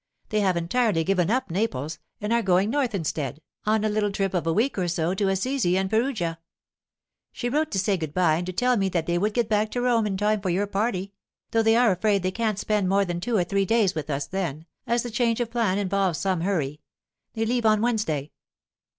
They have entirely given up Naples, and are going north instead, on a little trip of a week or so to Assisi and Perugia. She wrote to say good bye and to tell me that they would get back to Rome in time for your party; though they are afraid they can't spend more than two or three days with us then, as the change of plan involves some hurry. They leave on Wednesday.